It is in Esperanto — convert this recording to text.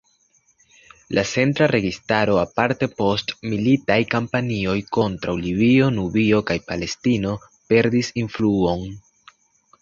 La centra registaro aparte post militaj kampanjoj kontraŭ Libio, Nubio kaj Palestino perdis influon.